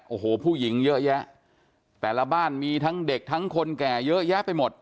โอ้โหผู้หญิงเยอะแยะแต่ละบ้านมีทั้งเด็กทั้งคนแก่เยอะแยะไปหมด